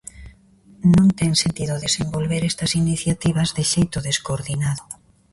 Non ten sentido desenvolver estas iniciativas de xeito descoordinado.